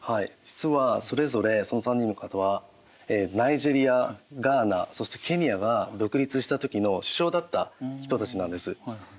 実はそれぞれその３人の方はナイジェリアガーナそしてケニアが独立した時の首相だった人たちなんです。